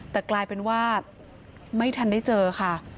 แต่กลายเป็นว่าไม่ทันได้เจอค่ะ